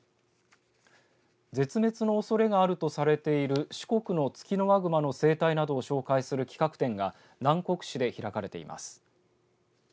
絶滅のおそれがあるとされている四国のツキノワグマの生態などを紹介する企画展が南国市で開かれています。